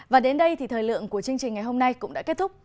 và đến đây thì thời lượng của chương trình ngày hôm nay cũng đã kết thúc